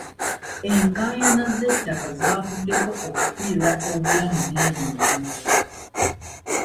Enkaayana z'ettaka zaavuddeko okufiirwa obulamu n'ebintu.